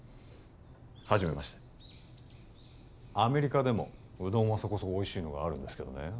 はじめましてアメリカでもうどんはそこそこおいしいのがあるんですけどね